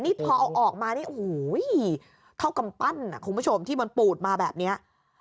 นี่พอเอาออกมานี่โอ้โหเท่ากำปั้นคุณผู้ชมที่มันปูดมาแบบนี้